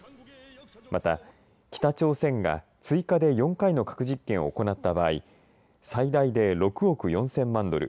また、北朝鮮が追加で４回の核実験を行った場合最大で６億４０００万ドル。